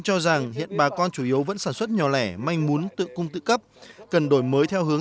cho rằng hiện bà con chủ yếu vẫn sản xuất nhỏ lẻ manh muốn tự cung tự cấp cần đổi mới theo hướng